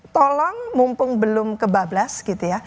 tolong mumpung belum ke bablas gitu ya